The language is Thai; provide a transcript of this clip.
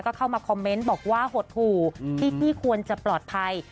เข้ามาคอมเมนต์บอกว่าหดหู่ที่ควรจะปลอดภัย